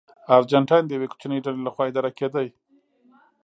ارجنټاین د یوې کوچنۍ ډلې لخوا اداره کېده.